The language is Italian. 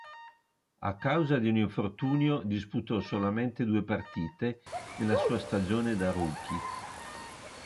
A causa di un infortunio disputò solamente due partite nella sua stagione da rookie.